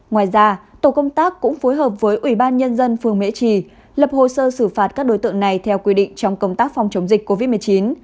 ngoài ra tổ công tác cũng phối hợp với ủy ban nhân dân phường mễ trì lập hồ sơ xử phạt các đối tượng này theo quy định trong công tác phòng chống dịch covid một mươi chín